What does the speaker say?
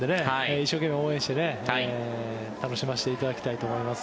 一生懸命応援して楽しませていただきたいと思います。